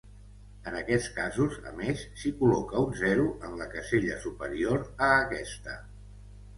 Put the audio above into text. En aquests casos, a més, s'hi col·loca un zero en la casella superior a aquesta.